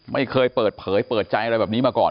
ไม่เคยเปิดเผยเปิดใจอะไรแบบนี้มาก่อน